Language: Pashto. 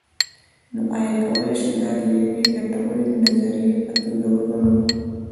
نو ایا کولی شو دا د یوې ګټورې نظریې په توګه وګڼو.